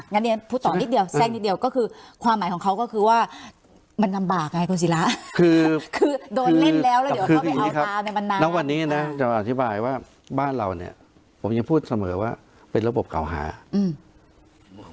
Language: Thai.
เรียนพูดต่อนิดเดียวแทรกนิดเดียวก็คือความหมายของเขาก็คือว่ามันลำบากไงคุณศิราคือคือโดนเล่นแล้วแล้วเดี๋ยวเข้าไปเอาตามในมันนานแล้ววันนี้นะจะมาอธิบายว่าบ้านเราเนี่ยผมยังพูดเสมอว่าเป็นระบบเก่าหาอืม